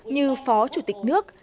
như phó chủ tịch nước